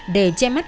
để che mắt